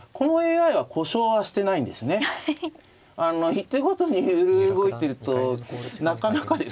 一手ごとに揺れ動いてるとなかなかですね